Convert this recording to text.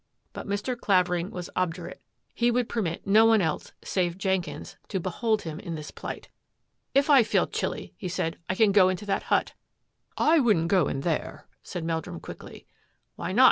But Mr. Clavering was obdurate ; he would permit no one else save Jenkins to behold him in this plight. " If I feel chilly," he said, " I can go into that hut." " I wouldn't go in there," said Meldrum quickly. " Why not?